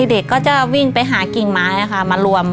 เด็กก็จะวิ่งไปหากิ่งไม้มารวม